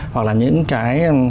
hoặc là những cái